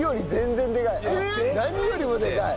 何よりもでかい。